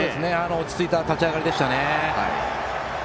落ち着いた立ち上がりでしたね。